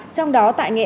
trong đó tại nghệ an